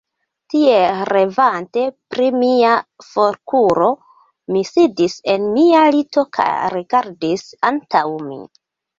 Tiel revante pri mia forkuro, mi sidis en mia lito kaj rigardis antaŭ min.